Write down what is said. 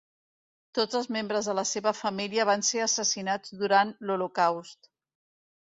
Tots els membres de la seva família van ser assassinats durant l'Holocaust.